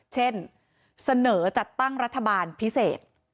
เช่นเสนอจัดตั้งรัฐบาลพิเศษ